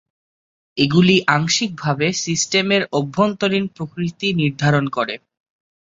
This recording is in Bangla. এগুলি আংশিকভাবে সিস্টেমের অভ্যন্তরীণ প্রকৃতি নির্ধারণ করে।